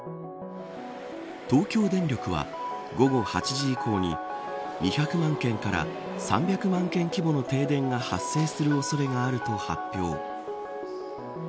東京電力は、午後８時以降に２００万軒から３００万軒規模の停電が発生する恐れがあると発表。